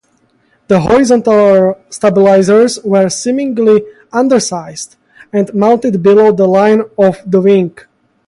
The horizontal stabilizers were seemingly undersized, and mounted below the line of the wing.